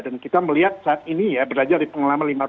dan kita melihat saat ini ya berada di pengelola limbaga